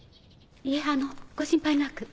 いえあのご心配なく。